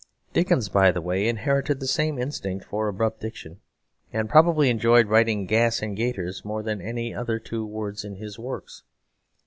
Dickens, by the way, inherited the same instinct for abrupt diction, and probably enjoyed writing "gas and gaiters" more than any two other words in his works.